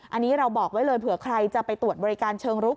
อันนี้เราบอกไว้เลยเผื่อใครจะไปตรวจบริการเชิงรุก